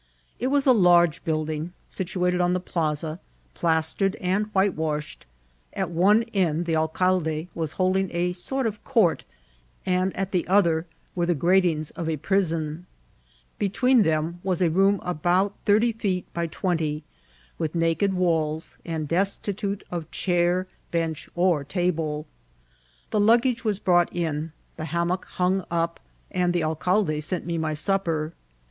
It was a large build ing, situated on the plaasa, plastered and whitewashed. At one end the alc^de was holding a sort of court, and at the other were tfie gratings of a prisoiu BetweeA them was a ifoom about thirty feet by twenty, with na^ ked walls, and destitute of chair, bench, or table. The ^°88*^ ^'^^^ brought in, the hammock hung up, and the alcalde sent me my supper.